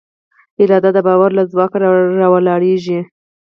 اراده د باور له ځواک راولاړېږي.